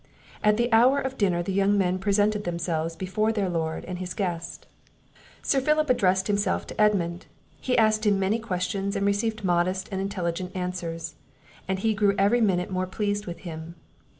At the hour of dinner the young men presented themselves before their Lord, and his guest. Sir Philip addressed himself to Edmund; he asked him many questions, and received modest and intelligent answers, and he grew every minute more pleased with him.